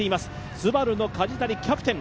ＳＵＢＡＲＵの梶谷、キャプテン。